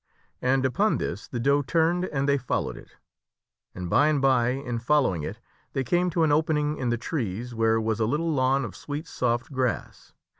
And upon this the doe turned and they followed it. And by and by in follow ing it they came to an opening in the trees where was a little lawn of sweet soft grass.